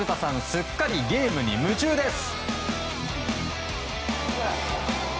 すっかりゲームに夢中です。